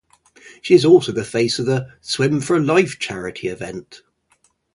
She is also the face of the "Swim for Life" charity event.